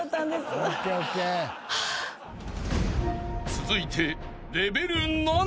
［続いて］